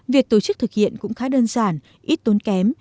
việc tổ chức thực hiện cũng khá đơn giản ít tốn kém